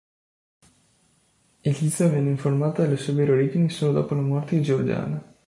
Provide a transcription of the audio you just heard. Eliza venne informata delle sue vere origini solo dopo la morte di Georgiana.